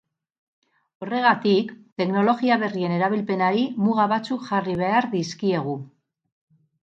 Horregatik, teknologia berrien erabilpenari muga batzuk jarri behar dizkiegu.